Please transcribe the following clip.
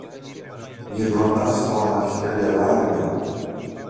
γυρνώντας στον αρχικαγκελάριο